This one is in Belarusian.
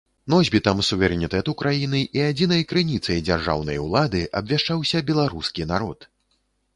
Носьбітам суверэнітэту краіны і адзінай крыніцай дзяржаўнай улады абвяшчаўся беларускі народ.